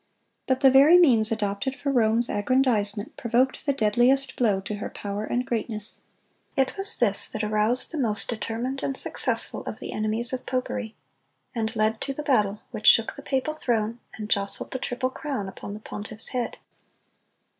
But the very means adopted for Rome's aggrandizement provoked the deadliest blow to her power and greatness. It was this that aroused the most determined and successful of the enemies of popery, and led to the battle which shook the papal throne, and jostled the triple crown upon the pontiff's head.